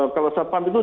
kalau satpam itu